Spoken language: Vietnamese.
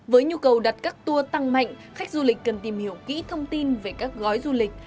với nhu cầu đặt các tour tăng mạnh khách du lịch cần tìm hiểu kỹ thông tin về các gói du lịch